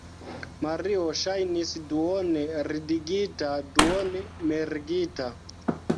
Mario ŝajnis duone ridigita, duone mirigita.